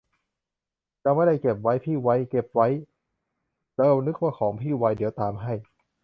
เราไม่ได้เก็บไว้ พี่ไวเก็บไว้ เรานึกว่าของพี่ไว เดี๋ยวตามให้